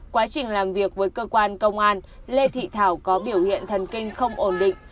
quá trình làm việc với cơ quan công an lê thị thảo có biểu hiện thần kinh không ổn định